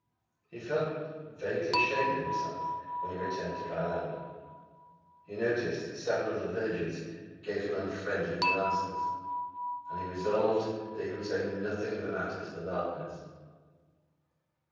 He felt vaguely ashamed of himself when he returned to dry land. He noticed that several of the villagers gave him unfriendly glances; and he resolved that he would say nothing of the matter to the Lardners.